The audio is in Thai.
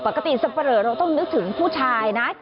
สับปะเลอเราต้องนึกถึงผู้ชายนะ